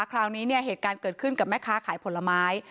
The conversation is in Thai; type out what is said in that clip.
คราวนี้เนี่ยเหตุการณ์เกิดขึ้นกับแม่ค้าขายผลไม้